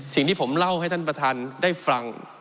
สิ่งที่ผมเล่าให้ท่านประธานได้ฟัง